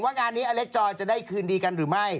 งานนี้อเล็กจอยจะได้คืนดีกันหรือไม่